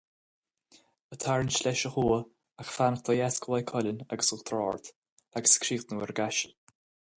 Ag tarraingt leis ó thuaidh ach ag fanacht ó dheas de Mhaigh Cuilinn agus Uachtar Ard, agus ag críochnú ar an gCaiseal.